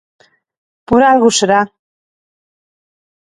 Por algo será.